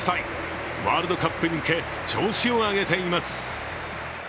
ワールドカップに向け、調子を上げています。